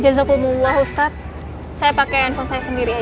jazakumullah ustadz saya pake telepon saya sendiri aja